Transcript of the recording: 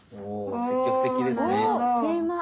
お積極的ですね。